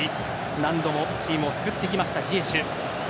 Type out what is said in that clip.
何度もチームを救ってきましたジエシュ。